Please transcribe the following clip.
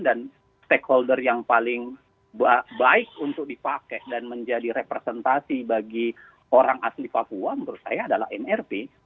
dan stakeholder yang paling baik untuk dipakai dan menjadi representasi bagi orang asli papua menurut saya adalah mrp